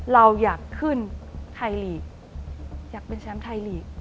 เราอยากขึ้นไทยลีกอยากเป็นแชมป์ไทยลีก